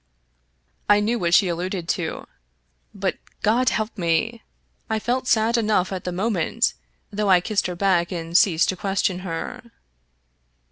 I knew what she alluded to, but, God help me! I felt 6l Irish Mystery Stories sad enough at the moment^ though I kissed her back and ceased to question her.